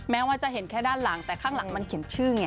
แม้ว่าจะเห็นแค่ด้านหลังแต่ข้างหลังมันเขียนชื่อไง